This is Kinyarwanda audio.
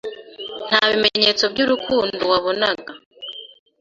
nta bimenyetso by’urukundo wabonaga